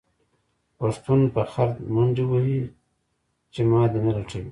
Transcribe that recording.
پښتون په خر منډې وهې چې ما دې نه لټوي.